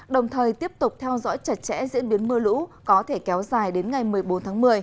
đồng thời tiếp tục theo dõi chặt chẽ diễn biến mưa lũ có thể kéo dài đến ngày một mươi bốn tháng một mươi